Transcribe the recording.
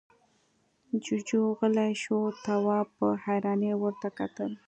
جُوجُو غلی شو، تواب په حيرانۍ ورته کتل…